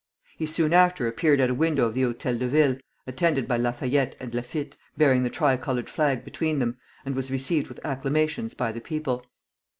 He soon after appeared at a window of the Hôtel de Ville, attended by Lafayette and Laffitte, bearing the tricolored flag between them, and was received with acclamations by the people.